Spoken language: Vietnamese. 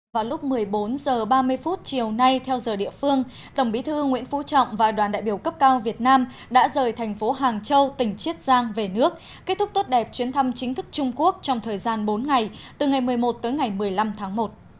vào lúc một mươi bốn h ba mươi chiều nay theo giờ địa phương tổng bí thư nguyễn phú trọng và đoàn đại biểu cấp cao việt nam đã rời thành phố hàng châu tỉnh chiết giang về nước kết thúc tốt đẹp chuyến thăm chính thức trung quốc trong thời gian bốn ngày từ ngày một mươi một tới ngày một mươi năm tháng một